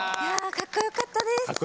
かっこよかったです。